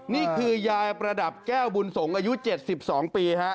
นี่คือยายประดับแก้วบุญสงฆ์อายุ๗๒ปีฮะ